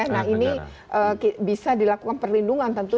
nah ini bisa dilakukan perlindungan tentu